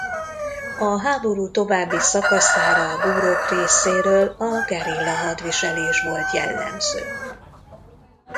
A háború további szakaszára a búrok részéről a gerilla hadviselés volt jellemző.